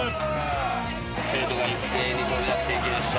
生徒が一斉に飛び出していきました。